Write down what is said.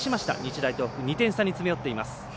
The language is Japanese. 日大東北２点差に詰め寄っています。